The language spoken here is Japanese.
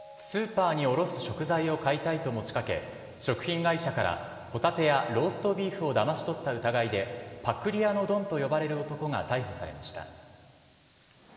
スーパーに卸す食材を買いたいと持ちかけ食品会社からホタテやローストビーフをだまし取った疑いでパクリ屋のドンと呼ばれる男が逮捕されました。